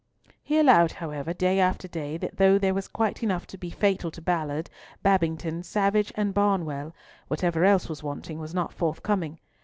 He allowed, however, day after day, that though there was quite enough to be fatal to Ballard, Babington, Savage, and Barnwell, whatever else was wanting was not forthcoming.